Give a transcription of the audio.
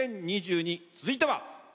続いては。